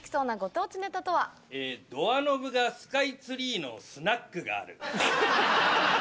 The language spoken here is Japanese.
「ドアノブがスカイツリーのスナックがある」。